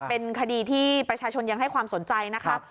เป็นคดีที่ประชาชนยังให้ความสนใจนะคะ